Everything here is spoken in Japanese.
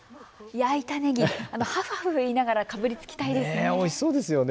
焼いたねぎ、ハフハフ言いながらかぶりつきたいですね。